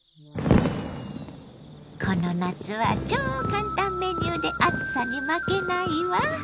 この夏は超簡単メニューで暑さに負けないわ。